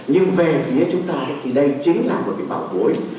nhưng về phía chúng ta thì đây chính là một cái bảo gối